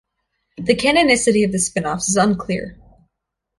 The canonicity of the spin offs is unclear.